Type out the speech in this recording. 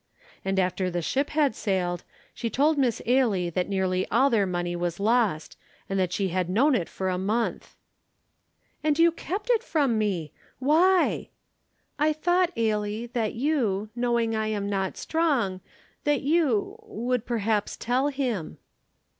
And after the ship had sailed, she told Miss Ailie that nearly all their money was lost, and that she had known it for a month. "And you kept it from me! Why?" "I thought, Ailie, that you, knowing I am not strong that you would perhaps tell him."